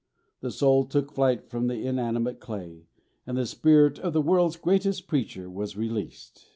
the soul took flight from the inanimate clay, and the spirit of the world's greatest preacher was released."